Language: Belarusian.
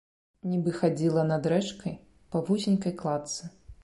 Нібы хадзіла над рэчкай па вузенькай кладцы.